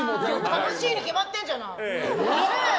楽しいに決まってるじゃない！